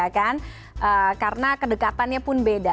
karena kedekatannya pun beda